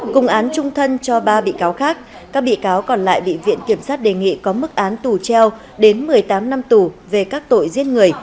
cùng án trung thân cho ba bị cáo khác các bị cáo còn lại bị viện kiểm sát đề nghị có mức án tù treo đến một mươi tám năm tù về các tội giết người